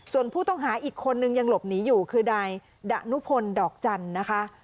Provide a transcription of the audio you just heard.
ส่วนผู้ต้องหาอีกคนนึงยังหลบหนีอยู่คือนายดะนุพลดอกจันทร์นะคะ